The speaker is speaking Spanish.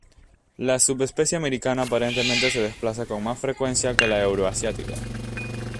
La subespecie americana aparentemente se desplaza con más frecuencia que la euroasiática.